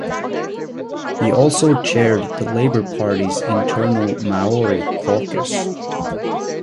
He also chaired the Labour Party's internal Maori Caucus.